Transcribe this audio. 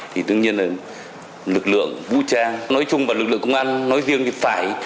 thì đương nhiên là lực lượng vũ trang nói chung và lực lượng công an nói riêng thì phải